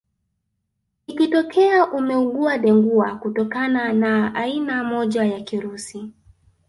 Ikitokea umeugua Dengua kutokana na aina moja ya kirusi